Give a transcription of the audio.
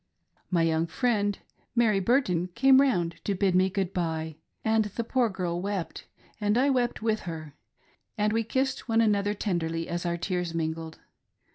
My young friend, Mary Burton, came round to bid me good bye ; and the poor girl wept, and I wept with her, and we kissed one another tenderly as our tears mingled.